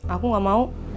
aku nggak mau